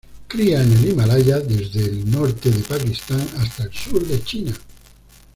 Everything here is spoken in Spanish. Cría en el Himalaya desde el norte de Pakistán hasta el sur de China.